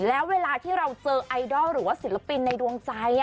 แล้วเวลาที่เราเจอไอดอลหรือว่าศิลปินในดวงใจ